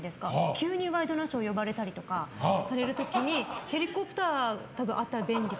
急に『ワイドナショー』呼ばれたりとかされるときにヘリコプターたぶんあったら便利かなって。